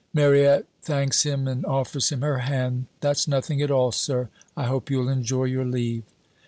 "Mariette thanks him and offers him her hand 'That's nothing at all, sir. I hope you'll enjoy your leave.'